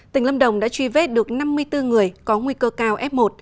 tỉnh lâm đồng đã truy vết được năm mươi bốn người có nguy cơ cao f một